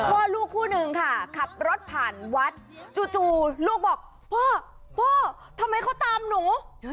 พ่อลูกคู่นึงค่ะขับรถผ่านวัดจู่ลูกบอกพ่อพ่อทำไมเขาตามหนู